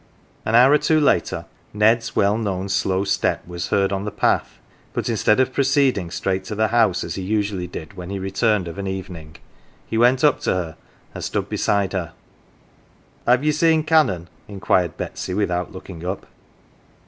An hour or two later Ned's well known slow step was heard on the path, but instead of proceeding straight to the house as he usually did when he returned of an evening, he went up to her and stood beside her. ." Have ye seen Canon ?" inquired Betsy, without looking up.